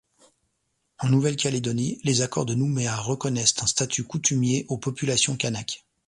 En Nouvelle-Calédonie, les accords de Nouméa reconnaissent un statut coutumier aux populations kanak.